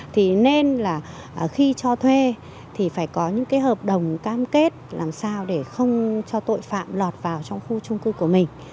thì nên là khi cho thuê thì phải có những cái hợp đồng cam kết làm sao để không cho tội phạm lọt vào trong khu trung cư của mình